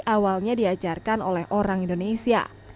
awalnya diajarkan oleh orang indonesia